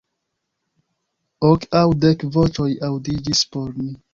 Ok aŭ dek voĉoj aŭdiĝis por ni.